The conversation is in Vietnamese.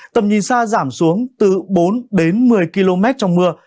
tầm nhìn xa giảm xuống từ bốn đến một mươi km trong mưa